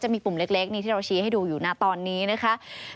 มีปุ่มเล็กที่เราชี้ให้ดูอยู่นะตอนนี้นะคะ